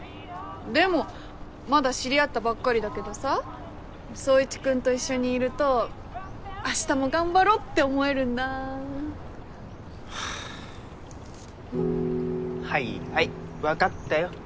でもまだ知り合ったばっかりだけどさ宗一君と一緒にいると明日も頑張ろうって思えるんだはあはいはい分かったよ